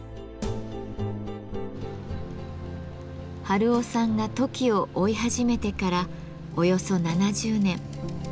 春雄さんがトキを追い始めてからおよそ７０年。